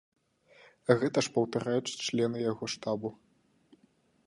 Гэта ж паўтараюць члены яго штабу.